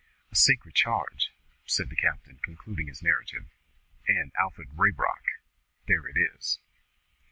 A sacred charge," said the captain, concluding his narrative, "and, Alfred Raybrock, there it is!"